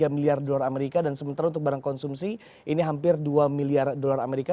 tiga miliar dolar amerika dan sementara untuk barang konsumsi ini hampir dua miliar dolar amerika